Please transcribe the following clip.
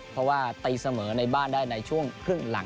เพราะว่าตีเสมอในบ้านได้ในช่วงครึ่งหลัง